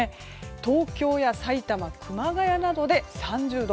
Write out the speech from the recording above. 東京やさいたま、熊谷などで３０度。